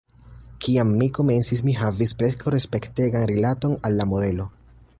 Kiam mi komencis, mi havis preskaŭ respektegan rilaton al la modelo.